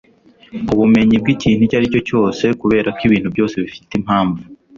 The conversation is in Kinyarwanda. ubumenyi bw'ikintu icyo ari cyo cyose, kubera ko ibintu byose bifite impamvu